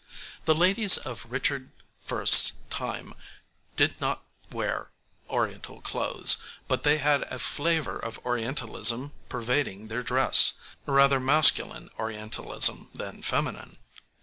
The ladies of Richard I.'s time did not wear Oriental clothes, but they had a flavour of Orientalism pervading their dress rather masculine Orientalism than feminine.